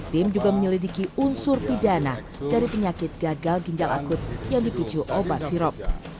tim juga menyelidiki unsur pidana dari penyakit gagal ginjal akut yang dipicu obat sirop